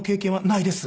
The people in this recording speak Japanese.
「ないです」